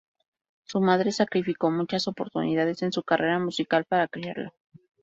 Su madre sacrificó muchas oportunidades en su carrera musical para criarlo.